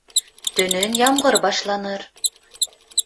Төнөн ямғыр башланыр.